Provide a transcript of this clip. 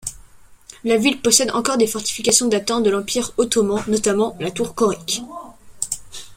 La ville possède encore des fortifications datant de l'Empire ottoman, notamment la tour Coric.